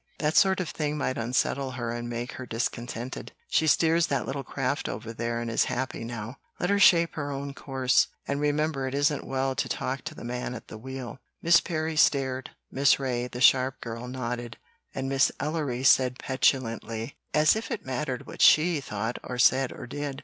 "That sort of thing might unsettle her and make her discontented. She steers that little craft over there and is happy now; let her shape her own course, and remember it isn't well to talk to the man at the wheel." Miss Perry stared; Miss Ray, the sharp girl, nodded, and Miss Ellery said petulantly, "As if it mattered what SHE thought or said or did!